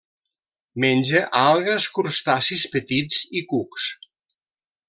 Menja algues, crustacis petits i cucs.